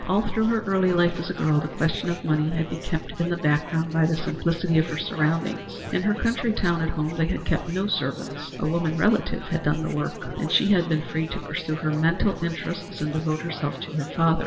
All through her early life as a girl, the question of money had been kept in the background by the simplicity of her surroundings. In her country town at home they had kept no servants. A woman relative had done the work, and she had been free to pursue her mental interests and devote herself to her father.